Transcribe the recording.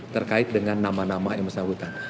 terkait dengan nama nama yang bersangkutan